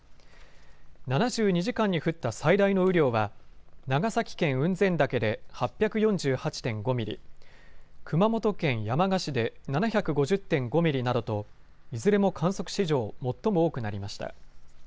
７２時間に降った最大の雨量は長崎県雲仙岳で８４８．５ミリ、熊本県山鹿市で７５０．５ミリなどといずれも観測史上最も多くなりました。